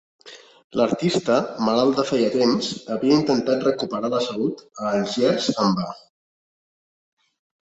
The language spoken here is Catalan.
L'artista, malalt de feia temps, havia intentat recuperar la salut a Algiers en va.